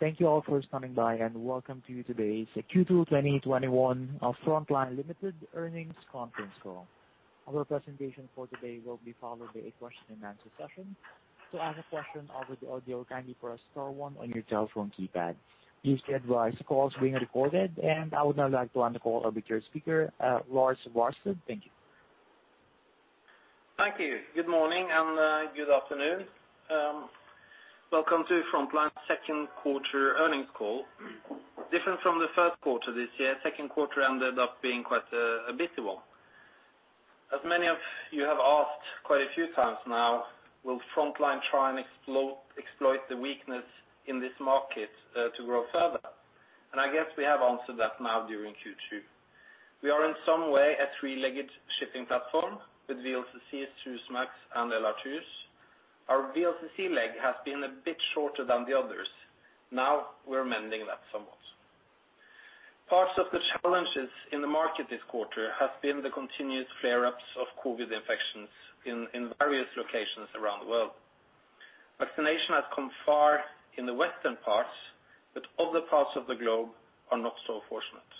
Thank you all for coming by and welcome to today's Q2 2021 Frontline Limited earnings conference call. Our presentation for today will be followed by a question and answer session. To ask a question over the audio, kindly press star one on your telephone keypad. Please be advised, the call is being recorded, and I would now like to hand the call over to your speaker, Lars Barstad. Thank you. Thank you. Good morning and good afternoon. Welcome to Frontline second quarter earnings call. Different from the first quarter this year, second quarter ended up being quite a busy one. As many of you have asked quite a few times now, will Frontline try and exploit the weakness in this market to grow further? I guess we have answered that now during Q2. We are in some way a three-legged shipping platform with VLCC, Suezmax and LR2s. Our VLCC leg has been a bit shorter than the others. Now we're mending that somewhat. Parts of the challenges in the market this quarter has been the continuous flare-ups of COVID infections in various locations around the world. Vaccination has come far in the Western parts, other parts of the globe are not so fortunate.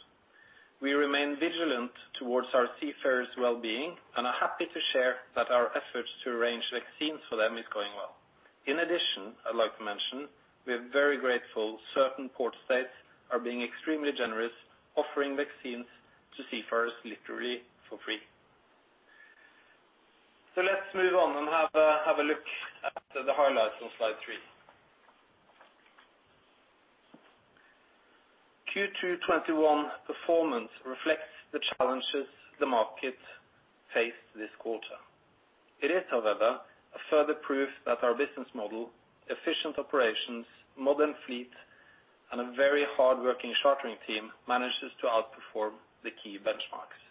We remain vigilant towards our seafarers' well-being and are happy to share that our efforts to arrange vaccines for them is going well. I'd like to mention, we are very grateful certain port states are being extremely generous offering vaccines to seafarers literally for free. Let's move on and have a look at the highlights on slide three. Q2 2021 performance reflects the challenges the market faced this quarter. It is, however, a further proof that our business model, efficient operations, modern fleet, and a very hardworking chartering team manages to outperform the key benchmarks.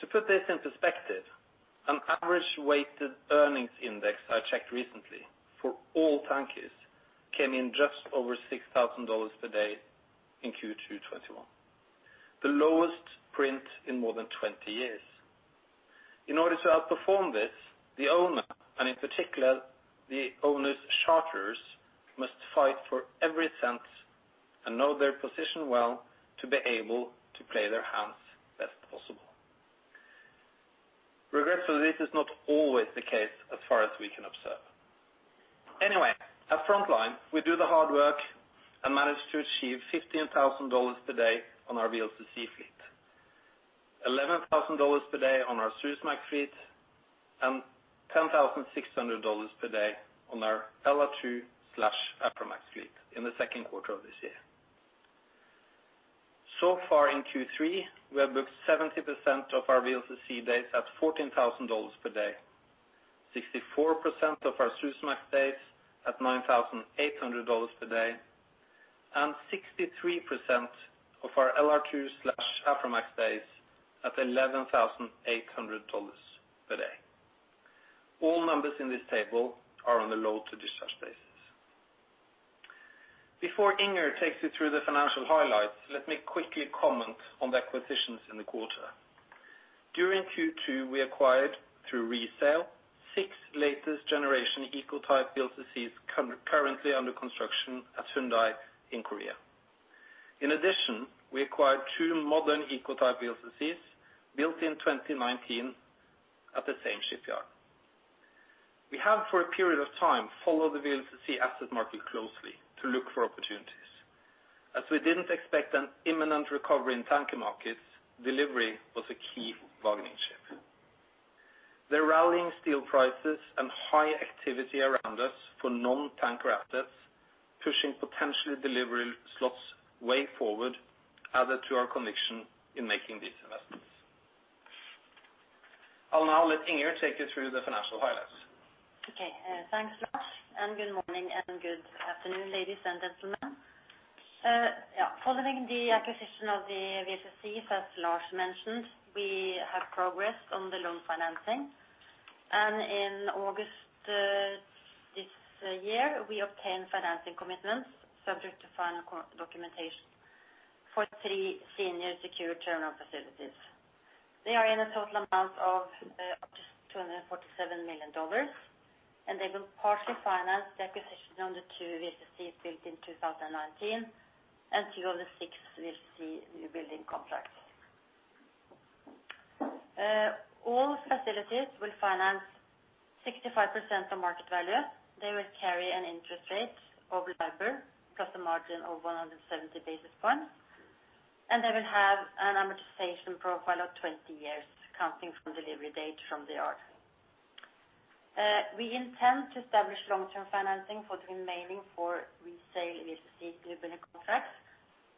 To put this in perspective, an average weighted earnings index I checked recently for all tankers came in just over $6,000 per day in Q2 2021, the lowest print in more than 20 years. In order to outperform this, the owner, and in particular the owner's charterers, must fight for every cent and know their position well to be able to play their hands best possible. Regretfully, this is not always the case as far as we can observe. At Frontline, we do the hard work and manage to achieve $15,000 per day on our VLCC fleet, $11,000 per day on our Suezmax fleet, and $10,600 per day on our LR2/Aframax fleet in the second quarter of this year. So far in Q3, we have booked 70% of our VLCC days at $14,000 per day, 64% of our Suezmax days at $9,800 per day, and 63% of our LR2/Aframax days at $11,800 per day. All numbers in this table are on a load to discharge basis. Before Inger takes you through the financial highlights, let me quickly comment on the acquisitions in the quarter. During Q2, we acquired, through resale, six latest generation Eco type VLCCs currently under construction at Hyundai in Korea. In addition, we acquired two modern Eco type VLCCs built in 2019 at the same shipyard. We have for a period of time followed the VLCC asset market closely to look for opportunities. As we didn't expect an imminent recovery in tanker markets, delivery was a key bargaining chip. The rallying steel prices and high activity around us for non-tanker assets pushing potentially delivery slots way forward added to our conviction in making these investments. I'll now let Inger take you through the financial highlights. Okay. Thanks, Lars, good morning and good afternoon, ladies and gentlemen. Following the acquisition of the VLCC, as Lars mentioned, we have progressed on the loan financing. In August this year, we obtained financing commitments subject to final documentation for three senior secured term loan facilities. They are in a total amount of up to $247 million, they will partially finance the acquisition of the two VLCCs built in 2019 and two of the six VLCC new building contracts. All facilities will finance 65% of market value. They will carry an interest rate of LIBOR plus a margin of 170 basis points, they will have an amortization profile of 20 years counting from delivery date from the yard. We intend to establish long-term financing for the remaining four resale VLCC new building contracts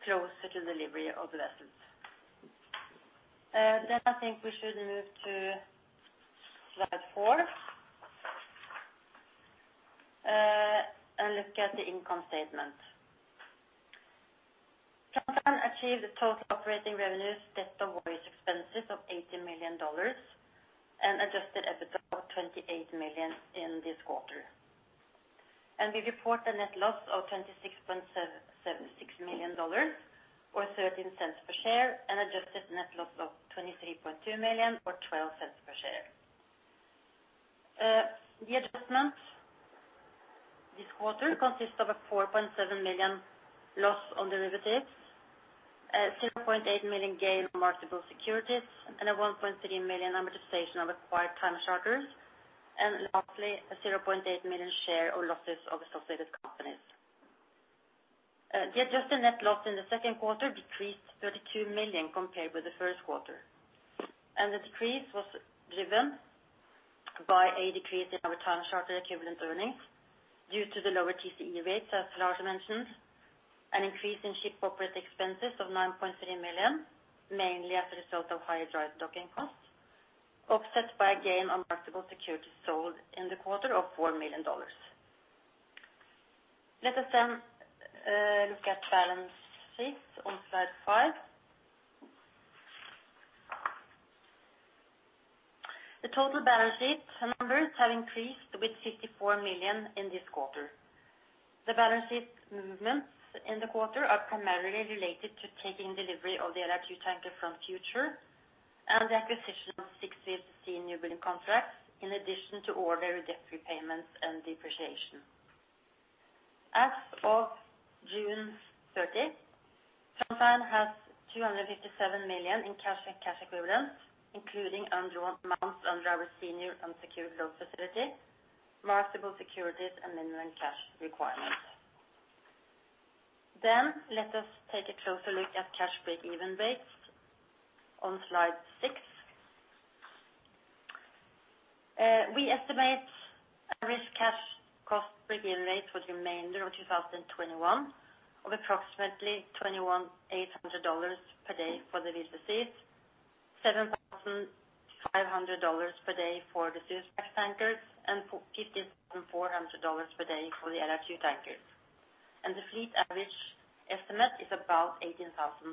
closer to delivery of the vessels. I think we should move to slide four and look at the income statement. Frontline achieved total operating revenues net of various expenses of $80 million and adjusted EBITDA of $28 million in this quarter. We report a net loss of $26.76 million or $0.13 per share and adjusted net loss of $23.2 million or $0.12 per share. The adjustment this quarter consists of a $4.7 million loss on derivatives, a $0.8 million gain on marketable securities, and a $1.3 million amortization of acquired time charters, and lastly, a $0.8 million share of losses of associated companies. The adjusted net loss in the second quarter decreased $32 million compared with the first quarter. The decrease was driven by a decrease in our time charter equivalent earnings due to the lower TCE rates, as Lars mentioned, an increase in ship operating expenses of $9.3 million, mainly as a result of higher dry docking costs, offset by a gain on marketable securities sold in the quarter of $4 million. Let us look at balance sheet on slide five. The total balance sheet numbers have increased with $64 million in this quarter. The balance sheet movements in the quarter are primarily related to taking delivery of the LR2 tanker Frontline Future and the acquisition of six VLCC newbuilding contracts, in addition to ordinary debt repayments and depreciation. As of June 30th, Frontline has $257 million in cash and cash equivalents, including undrawn amounts under our senior unsecured loan facility, marketable securities, and minimum cash requirements. Let us take a closer look at cash break-even rates on slide six. We estimate average cash cost break-even rate for the remainder of 2021 of approximately $21,800 per day for the VLCCs, $7,500 per day for the Suezmax tankers, and for $15,400 per day for the LR2 tankers. The fleet average estimate is about $18,000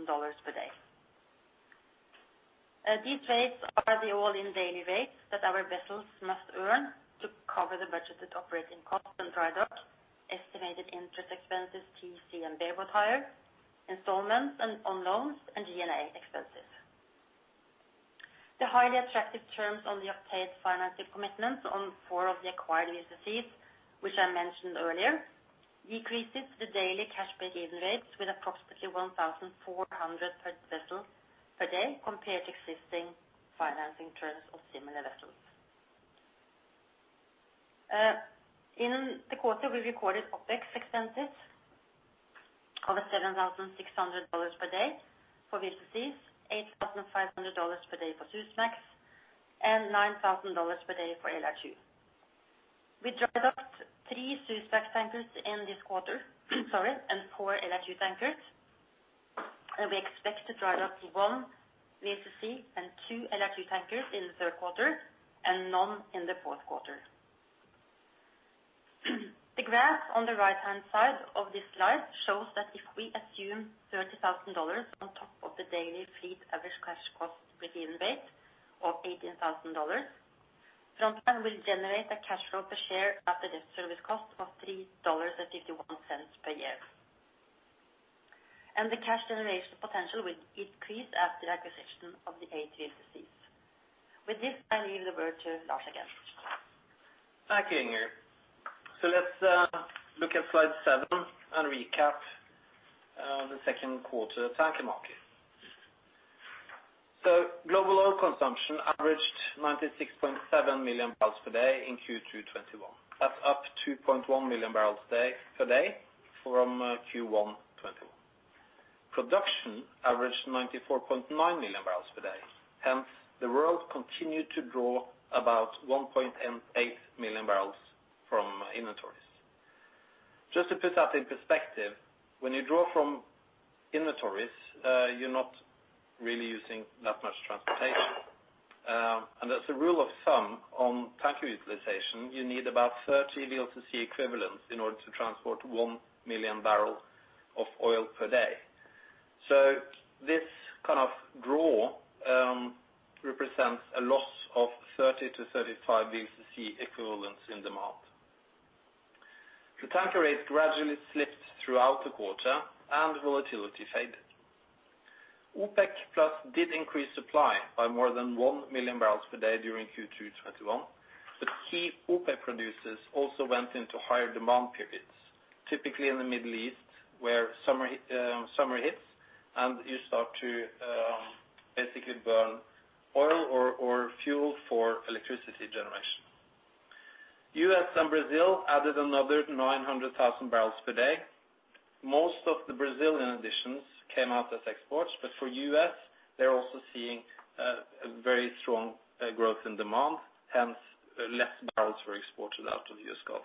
per day. These rates are the all-in daily rates that our vessels must earn to cover the budgeted operating cost and drydock, estimated interest expenses, TCE and bareboat hire, installments on loans, and G&A expenses. The highly attractive terms on the obtained financing commitments on four of the acquired VLCCs, which I mentioned earlier, decreases the daily cash break-even rates with approximately $1,400 per vessel per day compared to existing financing terms of similar vessels. In the quarter, we recorded OpEx expenses of $7,600 per day for VLCCs, $8,500 per day for Suezmax, and $9,000 per day for LR2. We drydocked three Suezmax tankers in this quarter, sorry, and four LR2 tankers. We expect to drydock one VLCC and two LR2 tankers in the third quarter and none in the fourth quarter. The graph on the right-hand side of this slide shows that if we assume $30,000 on top of the daily fleet average cash cost break-even rate of $18,000, Frontline will generate a cash flow per share at the cost of $3.51 per year. The cash generation potential will increase after acquisition of the eight VLCCs. With this, I leave the word to Lars again. Thank you, Inger. Let's look at slide seven and recap the second quarter tanker market. Global oil consumption averaged 96.7 million barrels per day in Q2 2021. That's up 2.1 million barrels per day from Q1 2021. Production averaged 94.9 million barrels per day, hence the world continued to draw about 1.8 million barrels from inventories. Just to put that in perspective, when you draw from inventories, you're not really using that much transportation. As a rule of thumb on tanker utilization, you need about 30 VLCC equivalents in order to transport 1 million barrels of oil per day. This kind of draw represents a loss of 30-35 VLCC equivalents in demand. The tanker rates gradually slipped throughout the quarter and volatility faded. OPEC+ did increase supply by more than 1 million barrels per day during Q2 2021, but key OPEC producers also went into higher demand periods, typically in the Middle East where summer hits and you start to basically burn oil or fuel for electricity generation. U.S. and Brazil added another 900,000 barrels per day. Most of the Brazilian additions came out as exports, but for U.S., they're also seeing a very strong growth in demand, hence less barrels were exported out of the U.S. Gulf.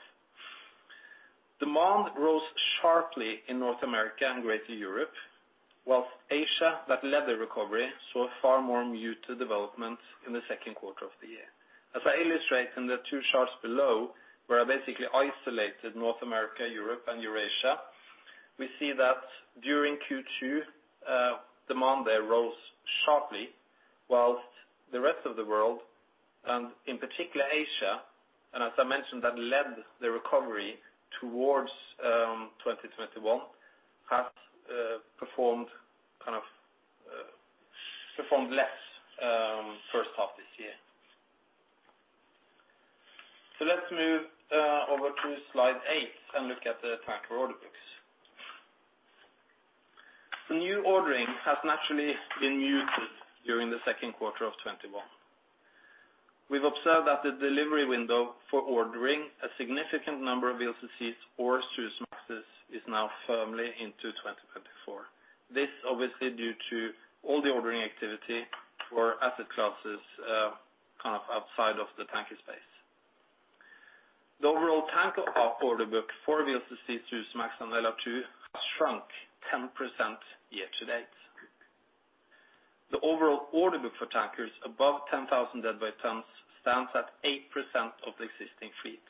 Demand rose sharply in North America and Greater Europe, whilst Asia, that led the recovery, saw a far more muted development in the second quarter of the year. As I illustrate in the two charts below, where I basically isolated North America, Europe and Eurasia, we see that during Q2, demand there rose sharply whilst the rest of the world, and in particular Asia, and as I mentioned, that led the recovery towards 2021, has performed less first half this year. Let's move over to slide eight and look at the tanker order books. New ordering has naturally been muted during the second quarter of 2021. We've observed that the delivery window for ordering a significant number of VLCCs or Suezmaxes is now firmly into 2024. This obviously due to all the ordering activity for asset classes outside of the tanker space. The overall tanker order book for VLCC, Suezmax, and LR2 has shrunk 10% year-to-date. The overall order book for tankers above 10,000 deadweight tons stands at 8% of the existing fleet.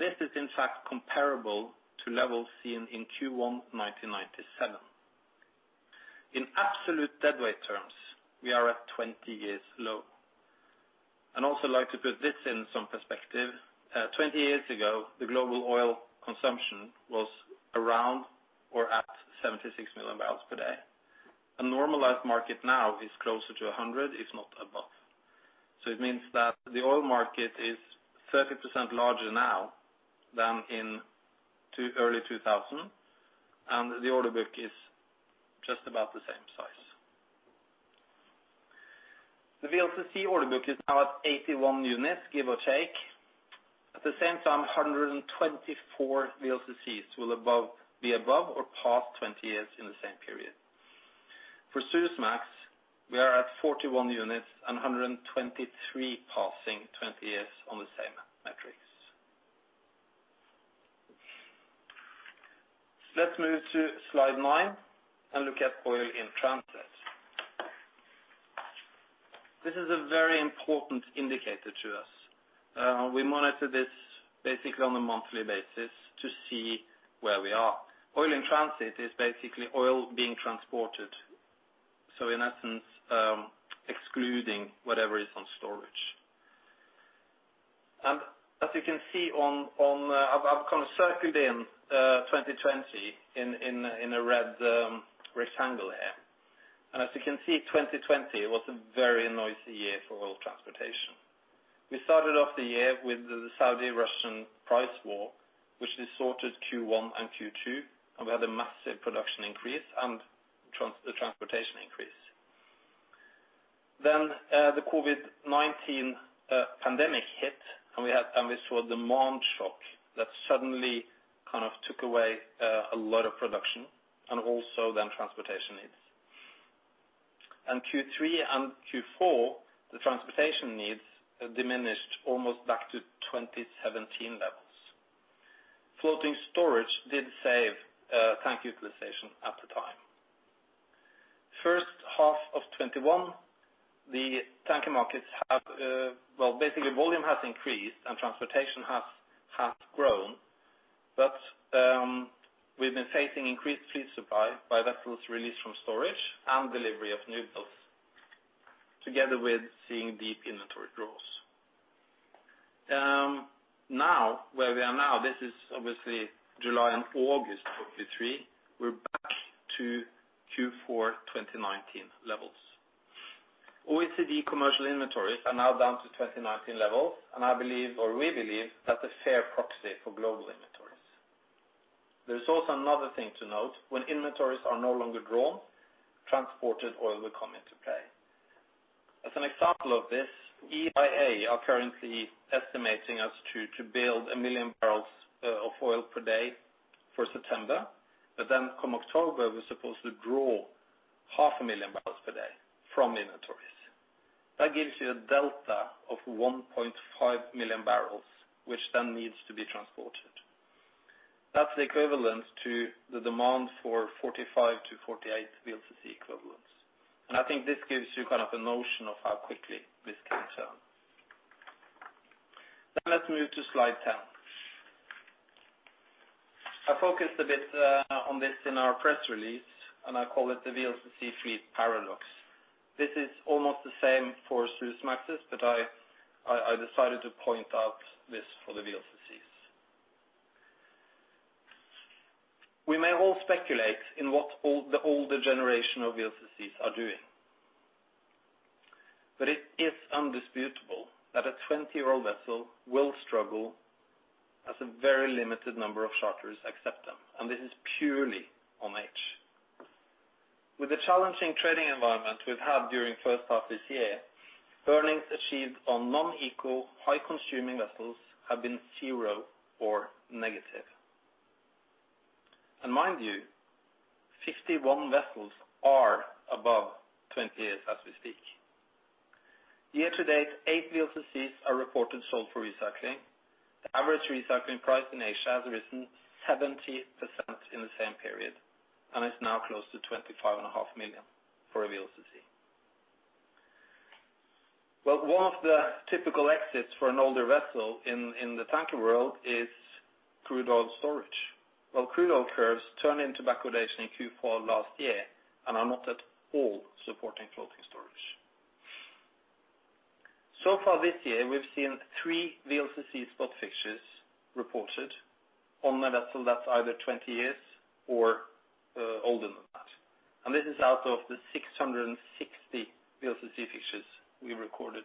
This is in fact comparable to levels seen in Q1 1997. In absolute deadweight terms, we are at 20 years low. Also like to put this in some perspective. 20 years ago, the global oil consumption was around or at 76 million barrels per day. A normalized market now is closer to 100, if not above. It means that the oil market is 30% larger now than in early 2000. The order book is just about the same size. The VLCC order book is now at 81 units, give or take. At the same time, 124 VLCCs will be above or past 20 years in the same period. For Suezmax, we are at 41 units. 123 passing 20 years on the same metrics. Let's move to slide nine and look at oil in transit. This is a very important indicator to us. We monitor this basically on a monthly basis to see where we are. Oil in transit is basically oil being transported, so in essence, excluding whatever is on storage. As you can see, I've circled in 2020 in a red rectangle here. As you can see, 2020 was a very noisy year for oil transportation. We started off the year with the Saudi-Russian price war, which distorted Q1 and Q2, and we had a massive production increase and the transportation increase. The COVID-19 pandemic hit, and we saw a demand shock that suddenly took away a lot of production and also then transportation needs. Q3 and Q4, the transportation needs diminished almost back to 2017 levels. Floating storage did save tanker utilization at the time. First half of 2021, the tanker markets, basically volume has increased and transportation has grown. We've been facing increased fleet supply by vessels release from storage and delivery of newbuilds, together with seeing deep inventory draws. Where we are now, this is obviously July and August of 2023, we're back to Q4 2019 levels. OECD commercial inventories are now down to 2019 levels, and we believe that's a fair proxy for global inventories. There's also another thing to note. When inventories are no longer drawn, transported oil will come into play. As an example of this, EIA are currently estimating us to build 1 million barrels of oil per day for September, but then come October, we're supposed to draw 0.5 million barrels per day from inventories. That gives you a delta of 1.5 million barrels, which then needs to be transported. That's equivalent to the demand for 45-48 VLCC equivalents. I think this gives you a notion of how quickly this can turn. Let's move to slide 10. I focused a bit on this in our press release, and I call it the VLCC fleet paradox. This is almost the same for Suezmaxes, but I decided to point out this for the VLCCs. We may all speculate in what the older generation of VLCCs are doing. It is undisputable that a 20-year-old vessel will struggle as a very limited number of charterers accept them, and this is purely on age. With the challenging trading environment we've had during the first half of this year, earnings achieved on non-Eco, high-consuming vessels have been zero or negative. Mind you, 51 vessels are above 20 years as we speak. Year-to-date, eight VLCCs are reported sold for recycling. The average recycling price in Asia has risen 70% in the same period and is now close to $25.5 million for a VLCC. One of the typical exits for an older vessel in the tanker world is crude oil storage. While crude oil curves turn into backwardation in Q4 last year and are not at all supporting floating storage. So far this year, we've seen three VLCC spot fixtures reported on a vessel that's either 20 years or older than that. This is out of the 660 VLCC fixtures we recorded.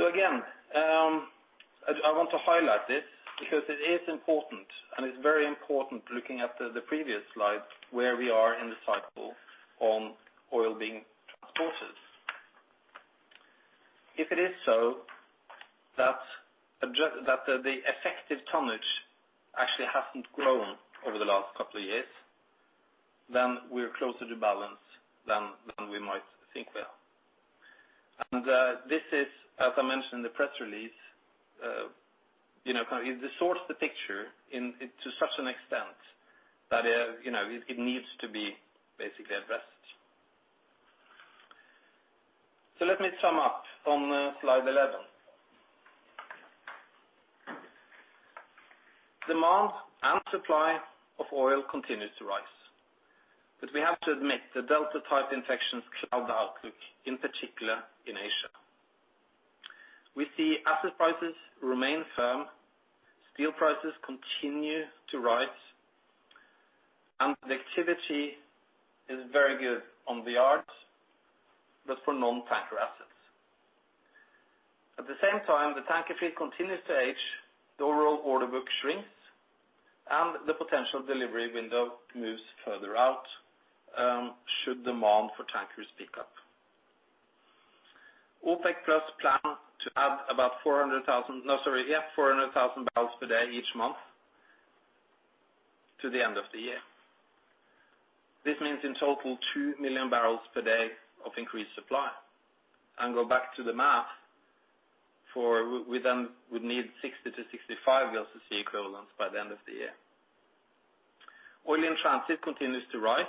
Again, I want to highlight this because it is important, and it's very important looking at the previous slide where we are in the cycle on oil being transported. If it is so that the effective tonnage actually hasn't grown over the last couple of years, then we're closer to balance than we might think we are. This is, as I mentioned in the press release, it distorts the picture to such an extent that it needs to be basically addressed. Let me sum up on slide 11. Demand and supply of oil continues to rise. We have to admit, the Delta variant infections cloud the outlook, in particular in Asia. We see asset prices remain firm, steel prices continue to rise, and the activity is very good on the yards, but for non-tanker assets. At the same time, the tanker fleet continues to age, the overall order book shrinks, and the potential delivery window moves further out should demand for tankers pick up. OPEC+ plan to add about 400,000 barrels per day each month to the end of the year. This means in total, 2 million barrels per day of increased supply. Go back to the math, we would need 60-65 VLCC equivalents by the end of the year. Oil in transit continues to rise,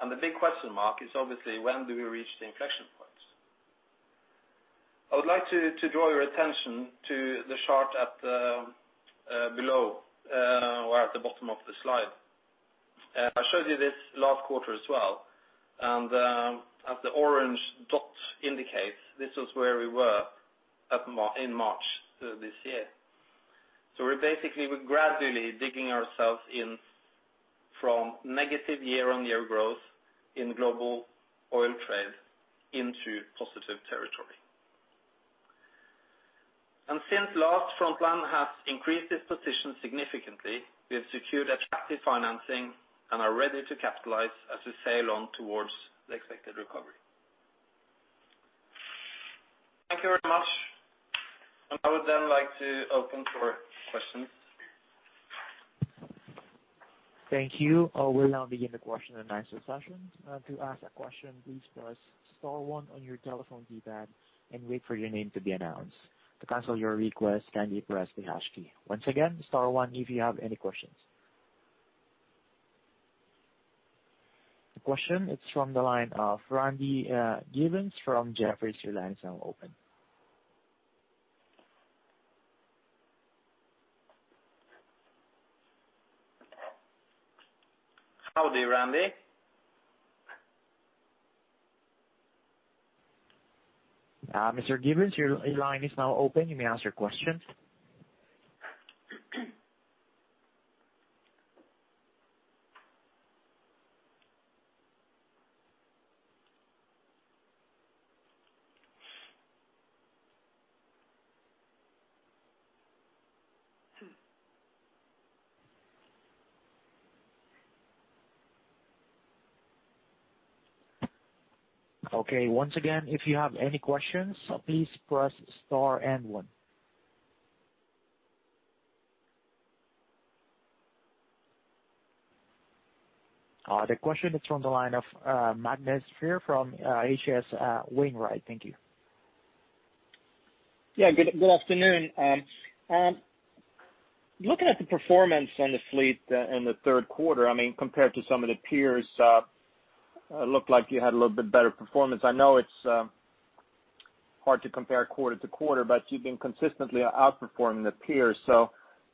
the big question mark is obviously when do we reach the inflection point? I would like to draw your attention to the chart below or at the bottom of the slide. I showed you this last quarter as well, and as the orange dot indicates, this was where we were in March this year. We're basically gradually digging ourselves in from negative year-on-year growth in global oil trade into positive territory. Since last, Frontline has increased its position significantly. We have secured attractive financing and are ready to capitalize as we sail on towards the expected recovery. Thank you very much. I would then like to open for questions. Thank you. We'll now begin the question and answer session. To ask a question, please press star one on your telephone keypad and wait for your name to be announced. To cancel your request, kindly press the hash key. Once again, star one if you have any questions. The question is from the line of Randy Giveans from Jefferies. Your line is now open. Howdy, Randy? Mr. Giveans, your line is now open. You may ask your question. Okay, once again, if you have any questions, please press star and one. The question is from the line of Magnus Fyhr from H.C. Wainwright. Thank you. Yeah. Good afternoon. Looking at the performance on the fleet in the third quarter, compared to some of the peers, looked like you had a little bit better performance. I know it's hard to compare quarter-to-quarter, but you've been consistently outperforming the peers.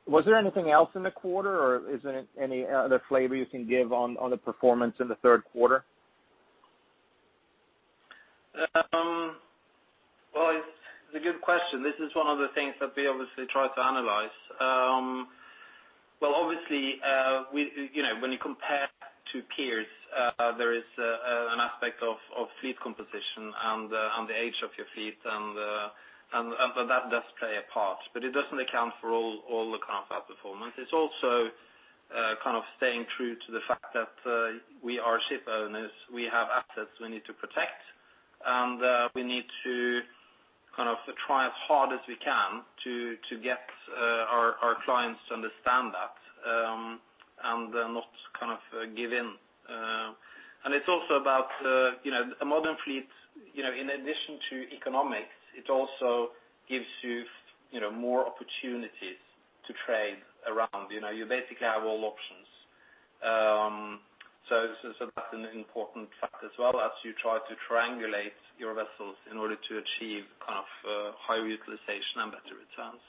Was there anything else in the quarter or is there any other flavor you can give on the performance in the third quarter? It's a good question. This is one of the things that we obviously try to analyze. Obviously, when you compare two peers, there is an aspect of fleet composition and the age of your fleet, and that does play a part. It doesn't account for all the kind of outperformance. It's also kind of staying true to the fact that we are ship owners. We have assets we need to protect, and we need to try as hard as we can to get our clients to understand that and not give in. It's also about a modern fleet, in addition to economics, it also gives you more opportunities to trade around. You basically have all options. That's an important factor as well as you try to triangulate your vessels in order to achieve higher utilization and better returns.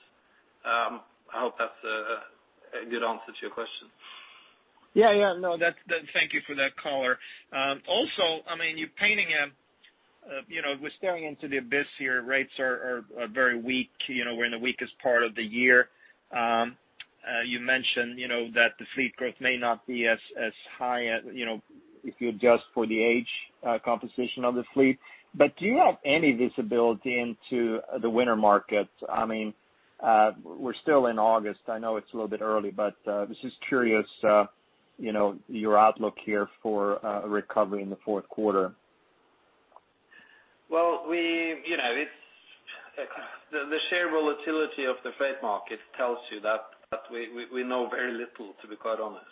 I hope that's a good answer to your question. Yeah. Thank you for that color. Also, we're staring into the abyss here. Rates are very weak. We're in the weakest part of the year. You mentioned that the fleet growth may not be as high if you adjust for the age composition of the fleet. But do you have any visibility into the winter market? We're still in August. I know it's a little bit early, but was just curious your outlook here for a recovery in the fourth quarter. The share volatility of the freight market tells you that we know very little, to be quite honest.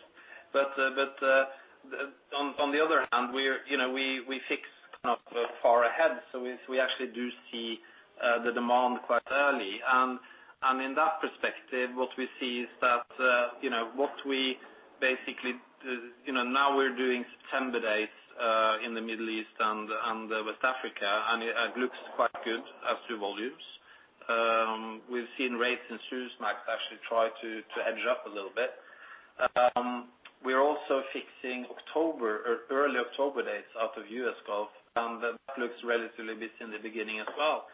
On the other hand, we fix far ahead, so we actually do see the demand quite early. In that perspective, what we see is that what we basically now we're doing September dates in the Middle East and West Africa, and it looks quite good as to volumes. We've seen rates in Suezmax actually try to edge up a little bit. We're also fixing early October dates out of U.S. Gulf, and that looks relatively busy in the beginning as well.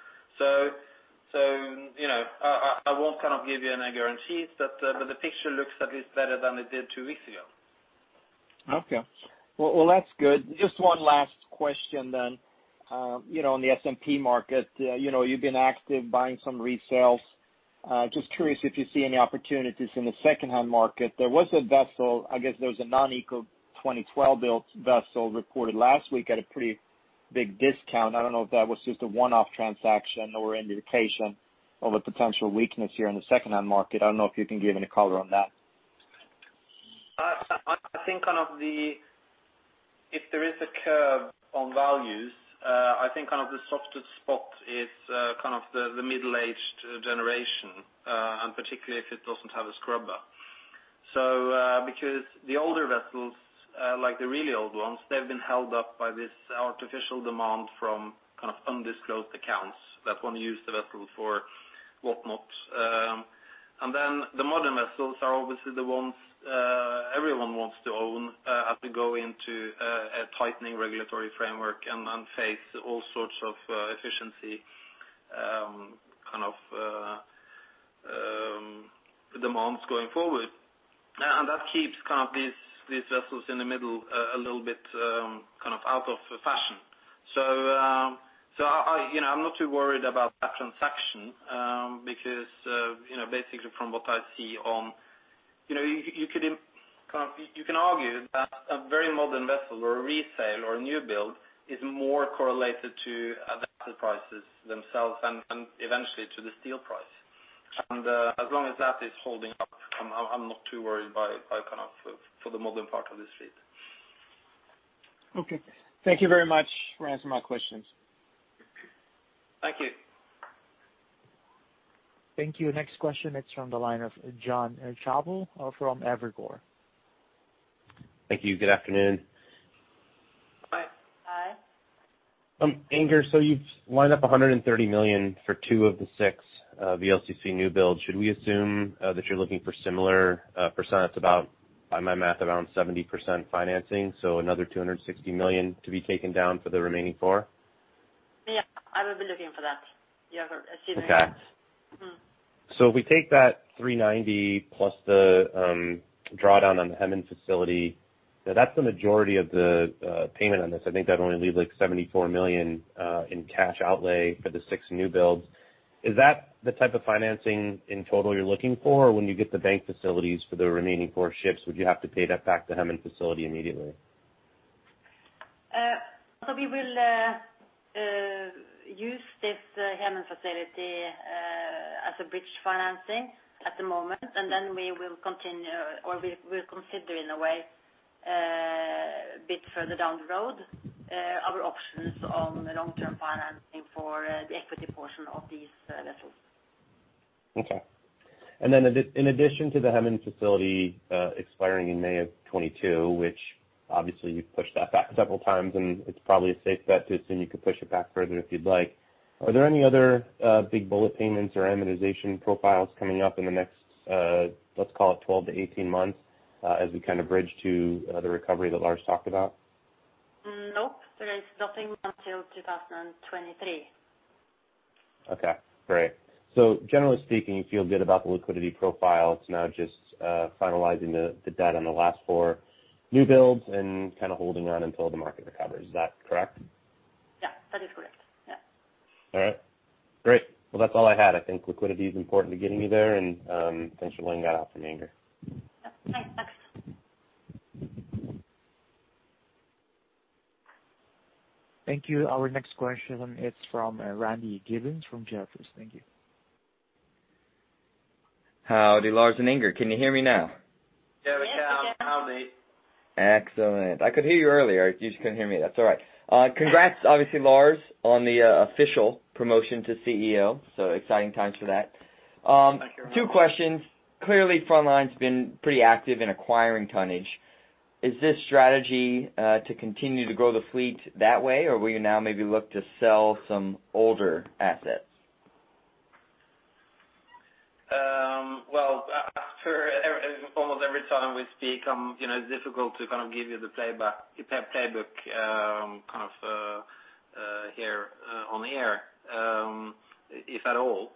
I won't give you any guarantees, but the picture looks at least better than it did two weeks ago. Okay. Well, that's good. Just one last question then. In the S&P market, you've been active buying some resales. Just curious if you see any opportunities in the secondhand market. There was a vessel, I guess there was a non-Eco 2012 built vessel reported last week at a pretty big discount. I don't know if that was just a one-off transaction or an indication of a potential weakness here in the secondhand market. I don't know if you can give any color on that. I think if there is a curve on values, I think the softest spot is the middle-aged generation, and particularly if it doesn't have a scrubber. The older vessels like the really old ones, they've been held up by this artificial demand from undisclosed accounts that want to use the vessel for whatnot. The modern vessels are obviously the ones everyone wants to own as we go into a tightening regulatory framework and face all sorts of efficiency demands going forward. That keeps these vessels in the middle a little bit out of fashion. I'm not too worried about that transaction because basically from what I see, you can argue that a very modern vessel or a resale or a new build is more correlated to the asset prices themselves and eventually to the steel price. As long as that is holding up, I'm not too worried about for the modern part of this fleet. Okay. Thank you very much for answering my questions. Thank you. Thank you. Next question, it's from the line of Jon Chappell from Evercore. Thank you. Good afternoon. Hi. Hi. Inger, you've lined up $130 million for two of the six VLCC new builds. Should we assume that you're looking for similar percents about, by my math, around 70% financing, so another $260 million to be taken down for the remaining four? Yeah, I will be looking for that, Jon. Okay. If we take that $390 million plus the drawdown on the Hemen facility, that's the majority of the payment on this. I think that only leaves like $74 million in cash outlay for the six new builds. Is that the type of financing in total you're looking for? Or when you get the bank facilities for the remaining four ships, would you have to pay that back to Hemen facility immediately? We will use this Hemen facility as a bridge financing at the moment. We will continue, or we will consider in a way a bit further down the road our options on long-term financing for the equity portion of these vessels. Okay. Then in addition to the Hemen facility expiring in May of 2022, which obviously you've pushed that back several times, and it's probably a safe bet to assume you could push it back further if you'd like. Are there any other big bullet payments or amortization profiles coming up in the next let's call it 12 to 18 months as we kind of bridge to the recovery that Lars talked about? No, there is nothing until 2023. Okay, great. Generally speaking, you feel good about the liquidity profile. It's now just finalizing the debt on the last 4 new builds and kind of holding on until the market recovers. Is that correct? Yeah, that is correct. Yeah. All right. Great. That's all I had. I think liquidity is important to getting you there, and thanks for laying that out for me, Inger. Yeah. Thanks. Thank you. Our next question is from Randy Giveans from Jefferies. Thank you. Howdy, Lars and Inger. Can you hear me now? Yeah, we can. Yes, we can. Howdy. Excellent. I could hear you earlier. You just couldn't hear me. That's all right. Congrats, obviously, Lars on the official promotion to CEO. Exciting times for that. Thank you very much. Two questions. Clearly, Frontline's been pretty active in acquiring tonnage. Is this strategy to continue to grow the fleet that way, or will you now maybe look to sell some older assets? Well, after almost every time we speak, it's difficult to give you the playbook here on the air if at all.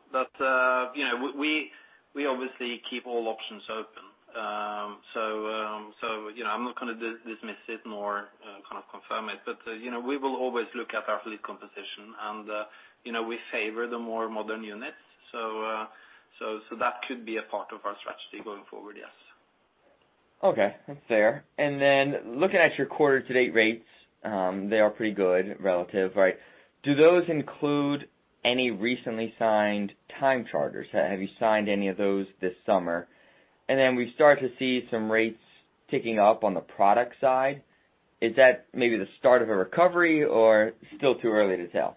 We obviously keep all options open. I'm not going to dismiss it nor confirm it. We will always look at our fleet composition, and we favor the more modern units. That could be a part of our strategy going forward, yes. Okay. That's fair. Looking at your quarter to date rates, they are pretty good relative, right? Do those include any recently signed time charters? Have you signed any of those this summer? We start to see some rates ticking up on the product side. Is that maybe the start of a recovery or still too early to tell?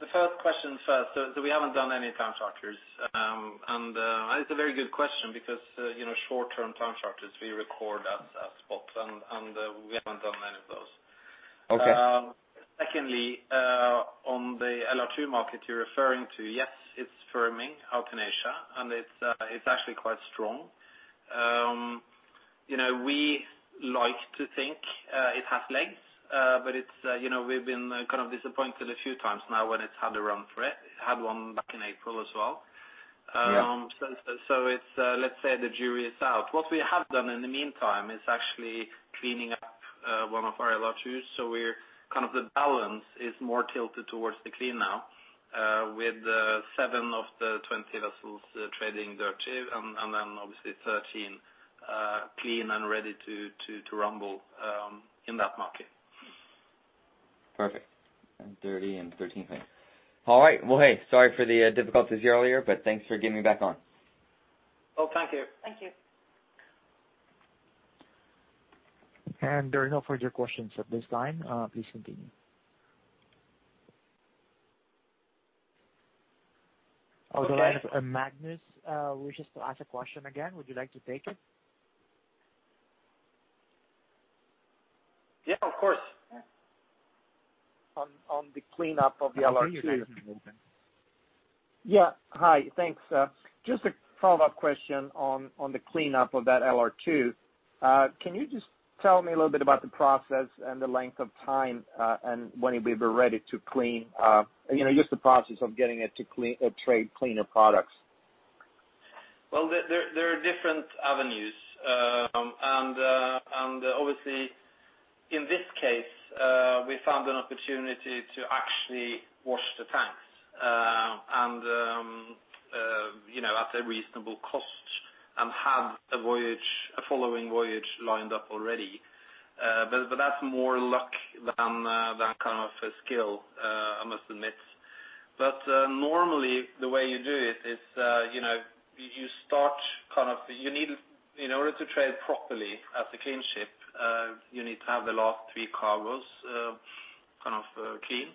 The first question first. We haven't done any time charters. That is a very good question because short-term time charters, we record as spot, and we haven't done any of those. Okay. Secondly, on the LR2 market you're referring to, yes, it's firming out in Asia, and it's actually quite strong. We like to think it has legs, but we've been kind of disappointed a few times now when it's had a run for it. Had one back in April as well. Yeah. Let's say the jury is out. What we have done in the meantime is actually cleaning up one of our LR2s. The balance is more tilted towards the clean now, with seven of the 20 vessels trading dirty and then obviously 13 clean and ready to rumble in that market. Perfect. Dirty and 13 clean. All right. Well, hey, sorry for the difficulties earlier, but thanks for getting back on. Oh, thank you. Thank you. There are no further questions at this time. Please continue. Okay. Magnus wishes to ask a question again. Would you like to take it? Yeah, of course. Yeah. On the cleanup of the LR2. I think your line is open. Yeah. Hi. Thanks. Just a follow-up question on the cleanup of that LR2. Can you just tell me a little bit about the process and the length of time, and when it will be ready to clean? Just the process of getting it to trade cleaner products. Well, there are different avenues. Obviously in this case, we found an opportunity to actually wash the tanks and at a reasonable cost and have a following voyage lined up already. That's more luck than a skill, I must admit. Normally the way you do it is, in order to trade properly as a clean ship, you need to have the last three cargoes clean.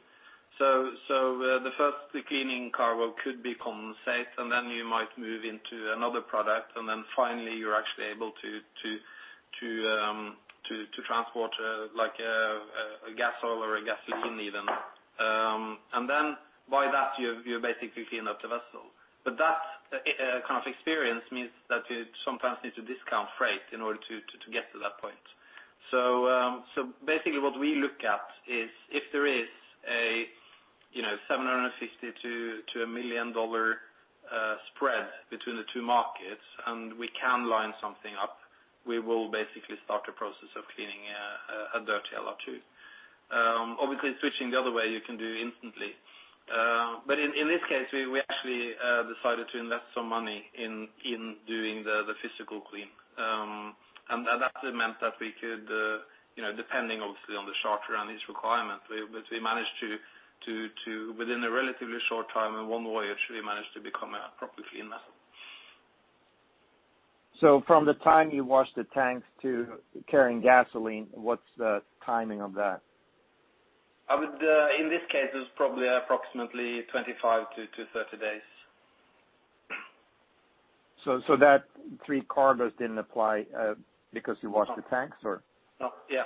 The first cleaning cargo could be condensate, then you might move into another product, then finally you're actually able to transport like a gas oil or a gasoline even. Then by that, you basically clean up the vessel. That kind of experience means that you sometimes need to discount freight in order to get to that point. Basically what we look at is if there is a $750,000-$1 million spread between the two markets, and we can line something up, we will basically start a process of cleaning a dirty LR2. Obviously, switching the other way, you can do instantly. In this case, we actually decided to invest some money in doing the physical clean. That meant that we could, depending obviously on the charter and his requirement, but we managed to, within a relatively short time and one voyage, we managed to become a properly clean vessel. From the time you wash the tanks to carrying gasoline, what's the timing of that? In this case, it's probably approximately 25-30 days. That three cargoes didn't apply because you washed the tanks or? No. Yeah.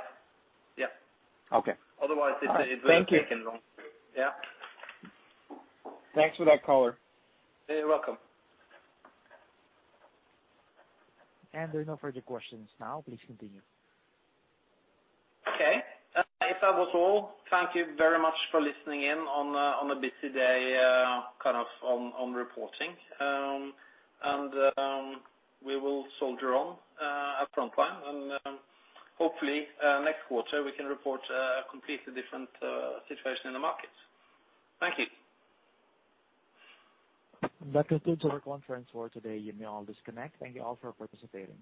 Okay. Otherwise it would have taken long. Yeah. Thanks for that color. You're welcome. There are no further questions now. Please continue. Okay. If that was all, thank you very much for listening in on a busy day on reporting. We will soldier on at Frontline and hopefully next quarter we can report a completely different situation in the market. Thank you. That concludes our conference for today. You may all disconnect. Thank you all for participating.